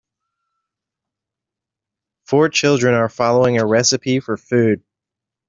Four children are following a recipe for food.